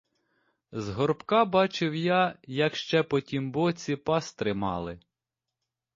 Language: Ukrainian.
З горбка бачив я, як ще по тім боці пас тримали.